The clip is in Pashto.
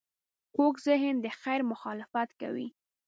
کوږ ذهن د خیر مخالفت کوي